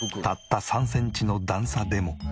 たった３センチの段差でも。